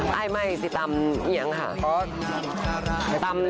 ได้ไหมสิตำเหยียงค่ะ